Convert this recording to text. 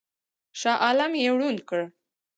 شاه عالم یې ړوند کړ.